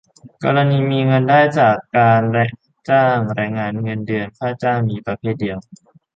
กรณีมีเงินได้จากการจ้างแรงงาน เงินเดือน ค่าจ้าง เพียงประเภทเดียว